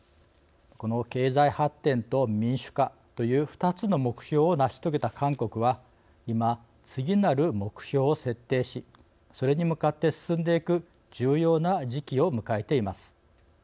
この経済発展と民主化という２つの目標を成し遂げた韓国は今次なる目標を設定しそれに向かって進んでいく重要な時期を迎えています。